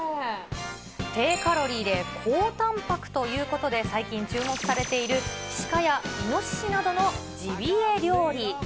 低カロリーで高たんぱくということで、最近注目されている鹿やイノシシなどのジビエ料理。